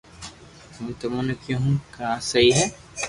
ھون تموني ڪيو ھون ڪا آ سھي ھي